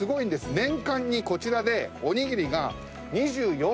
年間にこちらでおにぎりが。